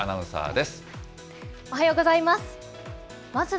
おはようございます。